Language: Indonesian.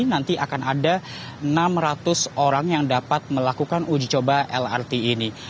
nanti akan ada enam ratus orang yang dapat melakukan uji coba lrt ini